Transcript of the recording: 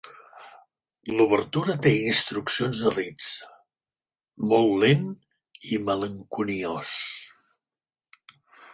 L'obertura té instruccions de Liszt: molt lent i malenconiós.